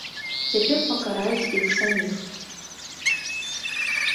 Цяпер пакараюць іх саміх.